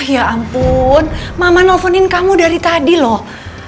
ya ampun mama nelfonin kamu dari tadi loh